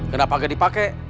kenapa gak dipake